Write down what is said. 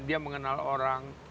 dia mengenal orang